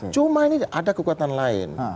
cuma ini ada kekuatan lain